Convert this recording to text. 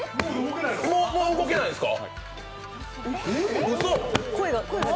もう動けないんですか！？